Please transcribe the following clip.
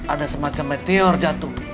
ada semacam meteor jatuh